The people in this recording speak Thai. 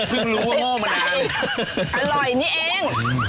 เพิ่งรู้ว่าโห้มมานานพิษใจอร่อยนี่เอง